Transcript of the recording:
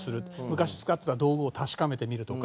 昔使ってた道具を確かめてみるとか。